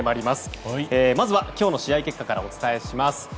まずは今日の試合結果からお伝えします。